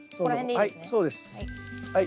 はいそうですはい。